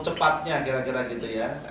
cepatnya kira kira gitu ya